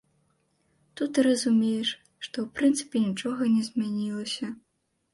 Тут і разумееш, што ў прынцыпе нічога не змянілася.